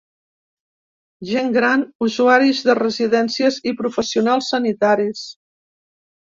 Gent gran, usuaris de residències i professionals sanitaris.